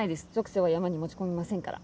俗世は山に持ち込みませんから。